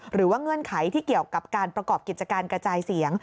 เงื่อนไขที่เกี่ยวกับการประกอบกิจการกระจายเสียง